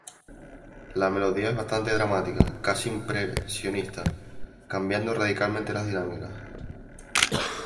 La melodía es bastante dramática, casi impresionista, cambiando radicalmente de dinámicas.